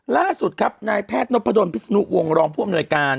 ล่าสุดครับนายแพทย์นพดลพิศนุวงศ์รองผู้อำนวยการ